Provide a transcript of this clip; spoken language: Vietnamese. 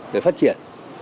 để phát triển